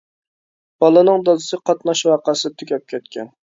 بالىنىڭ دادىسى قاتناش ۋەقەسىدە تۈگەپ كەتكەن.